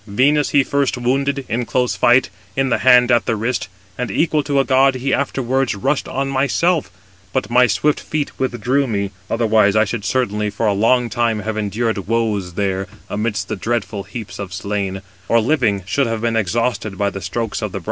Venus he first wounded, in close fight, in the hand at the wrist; and, equal to a god, he afterwards rushed on myself; but my swift feet withdrew me; [otherwise] I should certainly for a long time have endured woes there amidst the dreadful heaps of slain, or living should have been exhausted by the strokes of the brass."